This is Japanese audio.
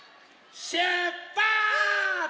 しゅっぱつ！